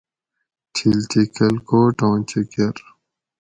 تھِل تے کھلکوٹاں چکر